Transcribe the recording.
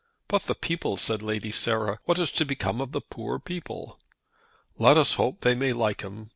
"But the people," said Lady Sarah. "What is to become of the poor people?" "Let us hope they may like him.